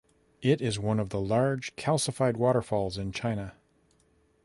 It is one of the large calcified waterfalls in China.